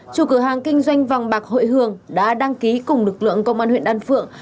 chủ cửa hàng kinh doanh vàng bạc hội hường đã đăng ký cùng lực lượng công an huyện đan phượng